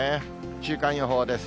週間予報です。